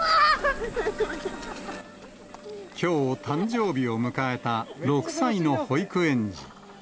きょう、誕生日を迎えた６歳の保育園児。